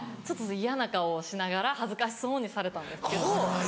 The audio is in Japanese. ちょっと嫌な顔をしながら恥ずかしそうにされたんですけど。